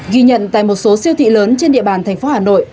ghi nhận tại một số siêu thị lớn trên địa bàn thành phố hà nội